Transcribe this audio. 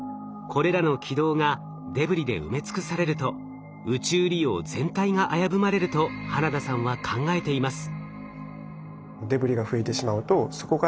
これらの軌道がデブリで埋め尽くされると宇宙利用全体が危ぶまれると花田さんは考えています。